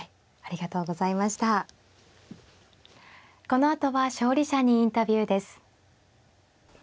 このあとは勝利者にインタビューです。